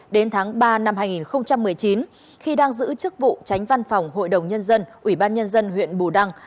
đến tháng ba năm hai nghìn một mươi chín khi đang giữ chức vụ tránh văn phòng hội đồng nhân dân ủy ban nhân dân huyện bù đăng